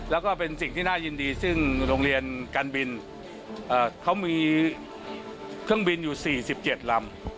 แล้วก็เป็นสิ่งที่น่ายินดีซึ่งโรงเรียนการบินเขามีเครื่องบินอยู่๔๗ลำ